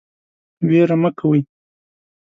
ویره مه کوئ